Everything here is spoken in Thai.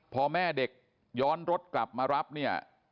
พอแม่เด็กย้อนรถกลับมารับเนี่ย